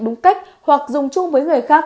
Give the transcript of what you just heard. đúng cách hoặc dùng chung với người khác